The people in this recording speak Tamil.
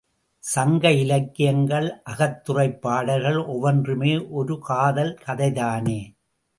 சங்க இலக்கியங்கள், அகத்துறைப் பாடல்கள் ஒவ்வொன்றுமே ஒரு காதல் கதைதானே.